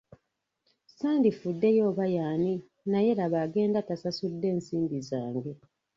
Sandifuddeyo oba ye ani, naye laba agenda tasasudde nsimbi zange.